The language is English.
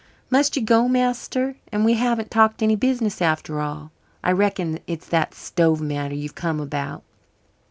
"Must you go, master? And we haven't talked any business after all. I reckon it's that stove matter you've come about.